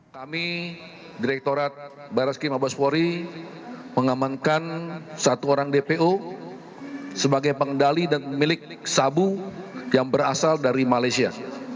kami direktorat baraskim abaspori mengamankan satu orang dpo sebagai pengendali dan milik sabu yang berasal dari malaysia